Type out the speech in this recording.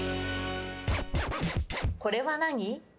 これは何？